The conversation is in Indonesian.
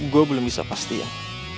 gue belum bisa pastiin